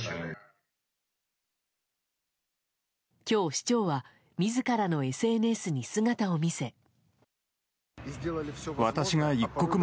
今日、市長は自らのＳＮＳに姿を見せ。